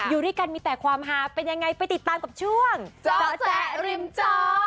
อยู่ด้วยกันมีแต่ความหาเป็นยังไงไปติดตามกับช่วงเจาะแจ๊ริมจอ